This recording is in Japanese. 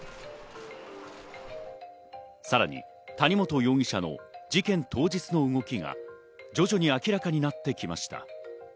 さらに谷本容疑者の事件当日の動きが徐々に明らかになってきました。